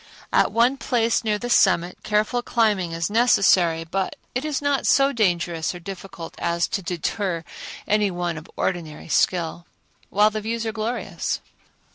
At one place near the summit careful climbing is necessary, but it is not so dangerous or difficult as to deter any one of ordinary skill, while the views are glorious.